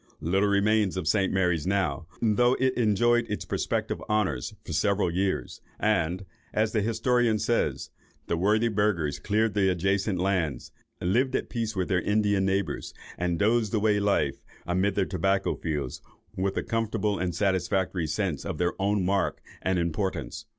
Little remains of St. Mary's now, though it enjoyed its prospective honours for several years; and, as the historian says, "the worthy burghers cleared the adjacent lands, lived at peace with their Indian neighbours, and dozed away life, amid their tobacco fields, with a comfortable and satisfactory sense of their own mark and importance."